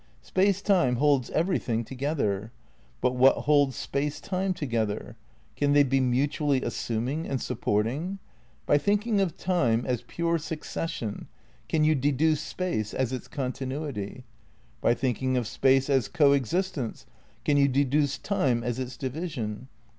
Space Time holds everything together. But what holds Space Time together? Can they be mu tually assuming and supporting? By thinking of Time as pure succession can you deduce Space as its contin uity? By thinking of Space as co existence, can you deduce Time as its division?